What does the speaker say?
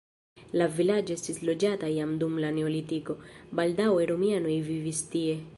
La vilaĝo estis loĝata jam dum la neolitiko, baldaŭe romianoj vivis tie.